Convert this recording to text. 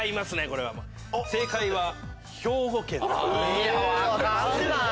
・いや分かんない。